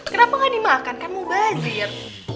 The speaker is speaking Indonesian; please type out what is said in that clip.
kenapa gak dimakan kan mau bazir